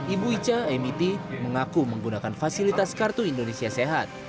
ibu ica mit mengaku menggunakan fasilitas kartu indonesia sehat